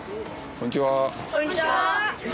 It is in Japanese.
こんにちは。